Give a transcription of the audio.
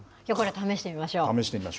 試してみましょう。